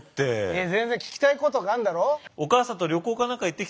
いや全然聞きたいことがあんだろ？